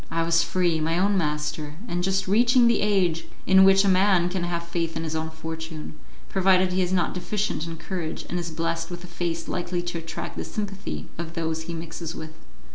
I was free, my own master, and just reaching the age in which a man can have faith in his own fortune, provided he is not deficient in courage, and is blessed with a face likely to attract the sympathy of those he mixes with.